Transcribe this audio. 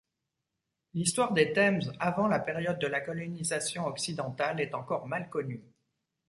L'histoire des Tems avant la période de la colonisation occidentale est encore mal connue.